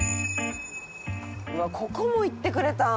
「うわっここも行ってくれたん？